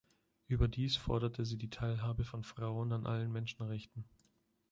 Überdies forderte sie die Teilhabe von Frauen an allen Menschenrechten.